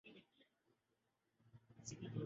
اس صورتحال کا سامنا کیسے کیا جائے؟